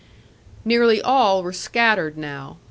Nearly all were scattered now.